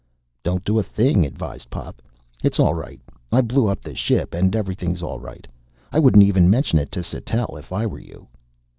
"Don't do a thing," advised Pop. "It's all right. I blew up the ship and everything's all right. I wouldn't even mention it to Sattell if I were you."